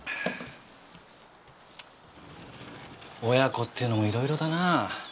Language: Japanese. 親子っていうのもいろいろだな。